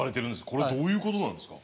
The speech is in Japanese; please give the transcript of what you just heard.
これどういうことなんですか？